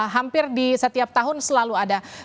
hampir di setiap tahun selalu ada